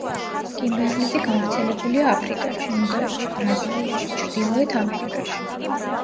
კიმბერლიტი გავრცელებულია აფრიკაში, ინდოეთში, ბრაზილიაში, ჩრდილოეთ ამერიკაში.